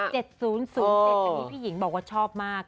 อันนี้พี่หญิงบอกว่าชอบมาก